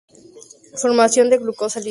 Formación de glucosa libre.